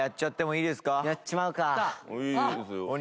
いいですよ。